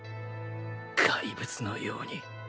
怪物のように